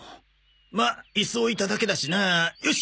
まあ椅子置いただけだしな。よし！